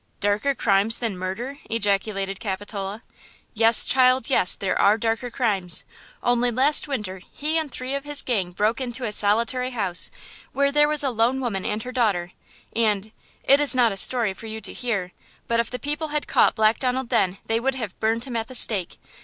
"Darker crimes than murder!" ejaculated Capitola. "Yes, child, yes; there are darker crimes. Only last winter he and three of his gang broke into a solitary house where there was a lone woman and her daughter, and–it is not a story for you to hear; but if the people had caught Black Donald then they would have burned him at the stake!